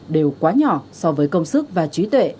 đều quá nhỏ so với công sức và trí tuệ